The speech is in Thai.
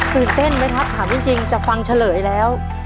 ตื่นเต้นไหมครับถามจริงจะฟังเฉลยแล้ว